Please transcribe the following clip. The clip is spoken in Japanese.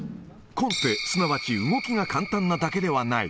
コンテ、すなわち動きが簡単なだけではない。